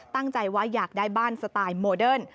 ตั้งใจว่าอยากได้บ้านสไตล์โมเดิร์น